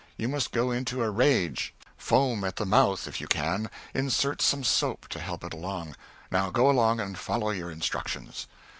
You must go into a rage foam at the mouth, if you can; insert some soap to help it along. Now go along and follow your instructions."